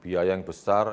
biaya yang besar